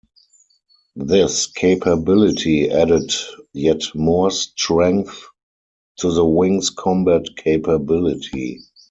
This capability added yet more strength to the wing's combat capability.